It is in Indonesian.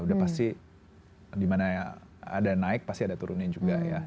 udah pasti dimana ada naik pasti ada turunnya juga ya